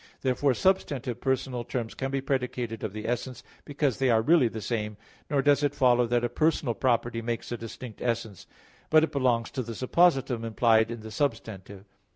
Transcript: _ Therefore substantive personal terms can be predicated of the essence, because they are really the same; nor does it follow that a personal property makes a distinct essence; but it belongs to the suppositum implied in the substantive.